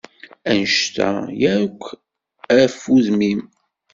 Annect-a yark, af udem-im!